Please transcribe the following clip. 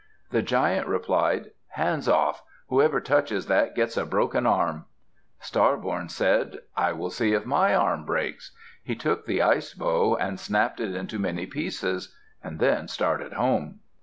The giant replied, "Hands off; whoever touches that gets a broken arm." Star born said, "I will see if my arm breaks." He took the ice bow and snapped it into many pieces, and then started home.